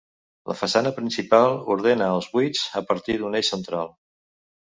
La façana principal ordena els buits a partir d’un eix central.